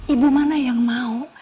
ibu mana yang mau